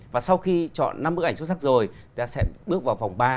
và sau khi chọn năm bức ảnh xuất sắc rồi ta sẽ bước vào vòng ba